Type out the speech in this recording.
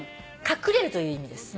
隠れるという意味です。